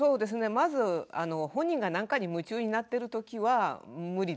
まず本人が何かに夢中になってるときは無理ですよね。